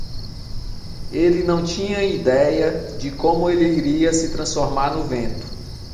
Ele não tinha ideia de como ele iria se transformar no vento.